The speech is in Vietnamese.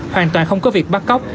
hoàn toàn không có việc bắt cóc